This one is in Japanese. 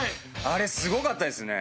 あれすごかったですね。